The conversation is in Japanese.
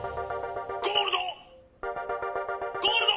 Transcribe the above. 「ゴールド！